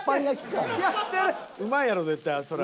うまいやろ絶対そりゃ